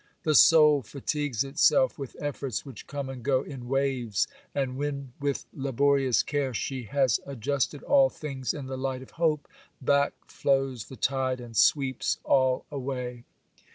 The soul fatigues itself with efforts which come and go in waves; and when with laborious care she has adjusted all things in the light of hope, back flows the tide, and sweeps all away.